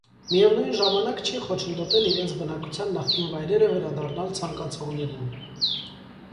Միևնույն ժամանակ չի խոչընդոտել իրենց բնակության նախկին վայրերը վերադառնալ ցանկացողներին։